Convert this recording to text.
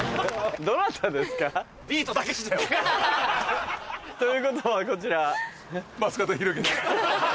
どなたですか？ということはこちら。